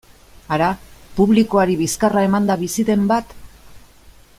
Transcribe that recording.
Hara, publikoari bizkarra emanda bizi den bat?